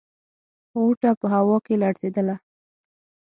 غوټه په هوا کې لړزېدله.